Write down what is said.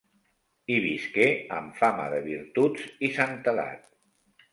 Hi visqué amb fama de virtuts i santedat.